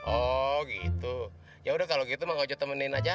oh gitu yaudah kalau gitu mang ojo temenin aja